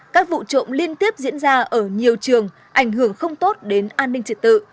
các vụ trộm liên tiếp diễn ra ở nhiều trường ảnh hưởng không tốt đến an ninh trật tự